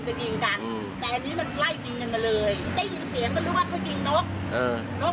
ได้ยินเสียงก็รู้ว่าเคยยิงนก